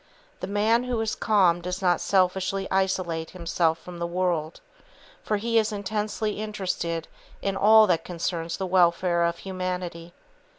The man who is calm does not selfishly isolate himself from the world, for he is intensely interested in all that concerns the welfare of humanity.